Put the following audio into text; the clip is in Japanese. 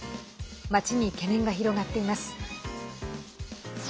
町に懸念が広がっています。